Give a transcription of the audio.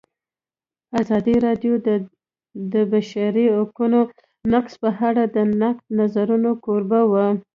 ازادي راډیو د د بشري حقونو نقض په اړه د نقدي نظرونو کوربه وه.